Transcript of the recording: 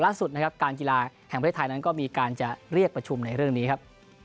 ล่าสุดการ์กีฬาแห่งประเทศไทยมีการเรียกประชุมในเรื่องนี้ครับ